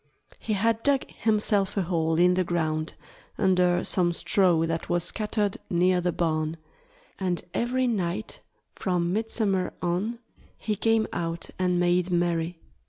He had dug himself a hole in the ground, under some straw that was scattered near the barn; and every night, from midsummer on, he came out and made merry.